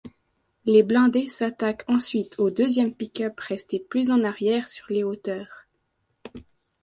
Les blindés s'attaquent ensuite au deuxième pick-up resté plus en arrière sur les hauteurs.